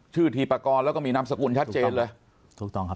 ทีปากรแล้วก็มีนามสกุลชัดเจนเลยถูกต้องครับ